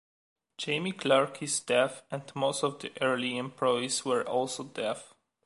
Jamie Clark is deaf and most of the early employees were also deaf.